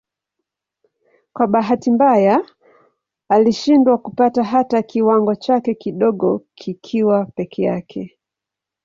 Kwa bahati mbaya alishindwa kupata hata kiwango chake kidogo kikiwa peke yake.